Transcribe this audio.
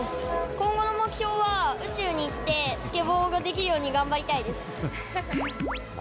今後の目標は、宇宙に行って、スケボーができるように頑張りたいです。